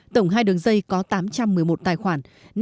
tổng hai đường dây có tám trăm một mươi một tài khoản